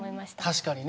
確かにね。